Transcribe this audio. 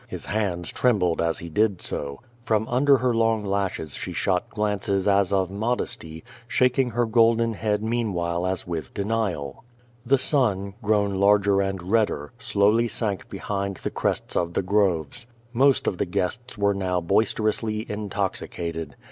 His hands trembled as he did so. From under her long lashes she shot glances as of modesty, shaking her golden head meanwhile as with denial. The sun, grown larger and redder, slowly sank behind the crests of the groves. Most of the guests were now boisterously intoxicated.